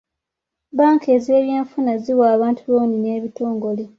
Bbanka ez'ebyenfuna ziwa abantu looni n'ebitongole.